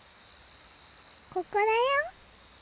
ここだよ！